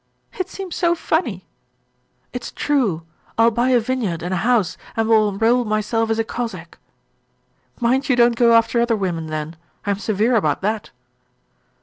'It seems so funny!' 'It's true! I will buy a vineyard and a house and will enroll myself as a Cossack.' 'Mind you don't go after other women then. I am severe about that.'